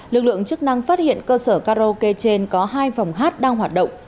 lực lượng chức năng phát hiện cơ sở karaoke trên có hai phòng hát đang hoạt động